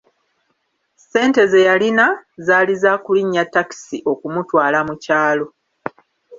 Ssente ze yalina, zaali za kulinnya takisi okumutwala mu kyalo.